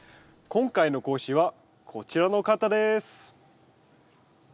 今回の講師はこちらの方です。